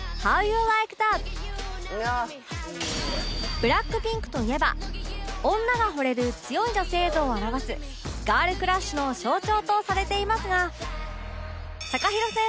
ＢＬＡＣＫＰＩＮＫ といえば女が惚れる強い女性像を表すガールクラッシュの象徴とされていますが